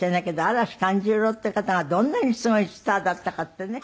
嵐寛寿郎っていう方がどんなにすごいスターだったかってね。